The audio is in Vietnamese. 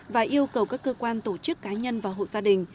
và yêu cầu các cơ quan tổ chức cá nhân và hộ gia đình